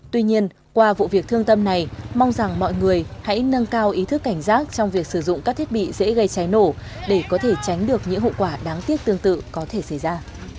tuy nhiên qua vụ việc thương tâm này mong rằng mọi người hãy nâng cao ý thức cảnh giác trong việc sử dụng các thiết bị dễ gây cháy nổ để có thể tránh được những hậu quả đáng tiếc tương tự có thể xảy ra